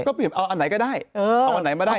ก็เปลี่ยนเอาอันไหนก็ได้เอาอันไหนมาได้